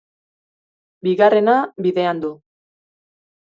Bigarrena, bidean du.